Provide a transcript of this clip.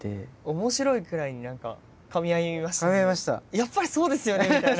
やっぱりそうですよねみたいな。